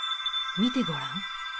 見てごらん。